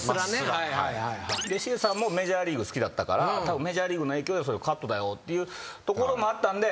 繁さんもメジャーリーグ好きだったからたぶんメジャーリーグの影響で「それカットだよ」っていうところもあったんで。